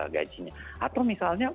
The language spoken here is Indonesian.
gajinya atau misalnya